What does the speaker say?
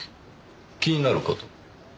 気になる事？